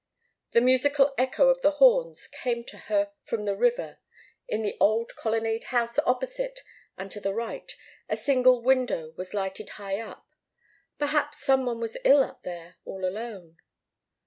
The musical echo of the horns came to her from the river. In the old Colonnade House opposite and to the right, a single window was lighted high up. Perhaps some one was ill up there all alone.